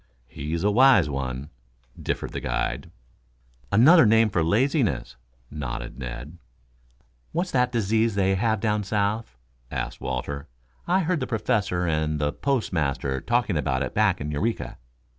"He's a wise one," differed the guide. "Another name for laziness," nodded Ned. "What's that disease they have down south?" asked Walter. "I heard the Professor and the postmaster talking about it back in Eureka."